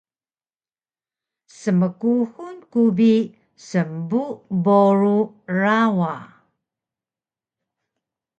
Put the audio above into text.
Smkuxul ku bi smbu boru rawa